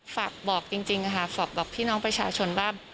ฝากบอกจริงค่ะฝากบอกพี่น้องประชาชนว่า